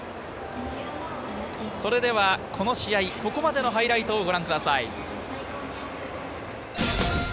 それではこの試合、ここまでのハイライトをご覧ください。